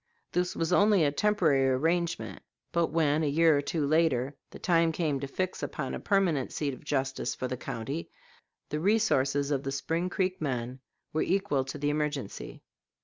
This was only a temporary arrangement, but when, a year or two later, the time came to fix upon a permanent seat of justice for the county, the resources of the Spring Creek men were equal to the emergency.